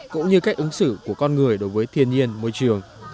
cũng như cách ứng xử của con người đối với thiên nhiên môi trường